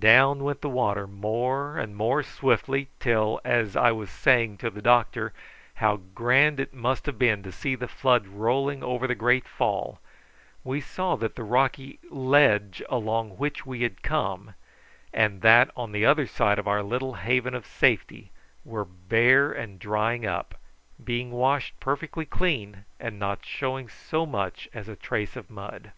Down went the water more and more swiftly till, as I was saying to the doctor how grand it must have been to see the flood rolling over the great fall, we saw that the rocky ledge along which we had come and that on the other side of our little haven of safety were bare and drying up, being washed perfectly clean and not showing so much as a trace of mud.